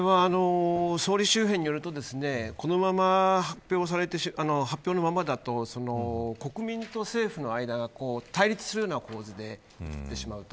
総理周辺によるとこのまま、発表のままだと国民と政府の間が対立するような構図で映ってしまう。